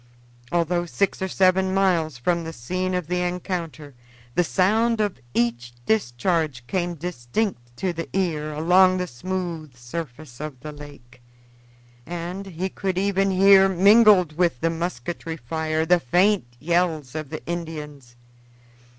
Although six or seven miles from the scene of the encounter, the sound of each discharge came distinct to the ear along the smooth surface of the lake, and he could even hear, mingled with the musketry fire, the faint yells of the Indians.